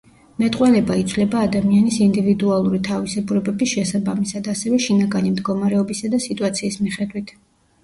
მეტყველება იცვლება ადამიანის ინდივიდუალური თავისებურებების შესაბამისად, ასევე შინაგანი მდგომარეობისა და სიტუაციის მიხედვით.